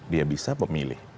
dia bisa memilih